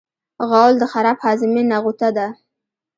غول د خراب هاضمې نغوته ده.